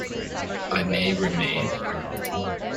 I may remain.